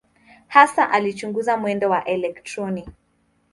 Hasa alichunguza mwendo wa elektroni.